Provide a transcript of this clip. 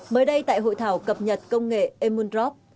mới đây tại hội thảo cập nhật công nghệ emmundrop